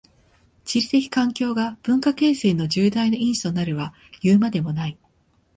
地理的環境が文化形成の重大な因子となるはいうまでもない。